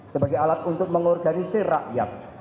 sebagai alat untuk mengorganisir rakyat